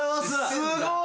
すごい！